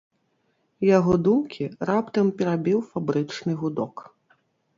Яго думкі раптам перабіў фабрычны гудок.